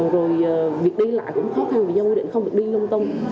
rồi việc đi lại cũng khó khăn vì dân quy định không được đi lung tung